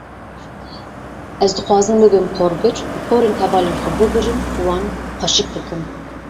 Ez dixwazim bibim porbir û porên hevalên xwe bibirim û wan xweşik bikim.